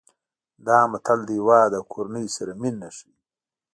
دا متل د هیواد او کورنۍ سره مینه ښيي